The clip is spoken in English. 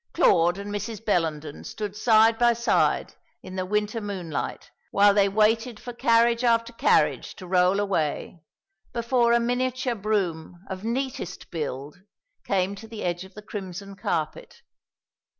Claude and Mrs. Bellenden stood side by side in the winter moonlight while they waited for carriage after carriage to roll away, before a miniature brougham of neatest build came to the edge of the crimson carpet.